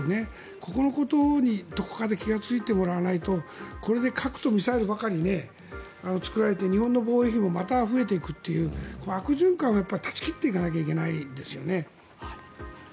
ここのことにどこかで気がついてもらわないとこれで核とミサイルばかり作られて日本の防衛費がまた増えていくという悪循環を断ち切っていかなきゃいけないですよね。